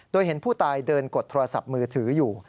โดยเห็นผู้ตายเดินกดโทรศัพท์มือถืออยู่